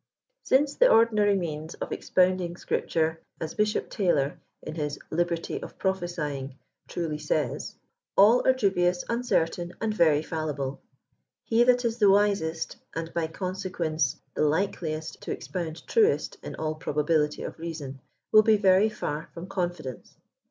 «• Since the ordinary means of expounding Scripture," as Bishop Taylor, in his «• Liberty of Prophesying," truly says, *' are all dubious, uncertain, ahd very fallible, he that is the wisest, and by consequence the likeliest to expound truest in all probability of reason, will be very far from confidence."